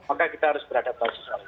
maka kita harus beradab dalam sesuatu